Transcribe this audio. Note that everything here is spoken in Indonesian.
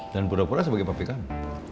dan pura pura sebagai papi kamu